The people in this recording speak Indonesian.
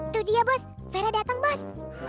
tuh dia bos vera dateng bos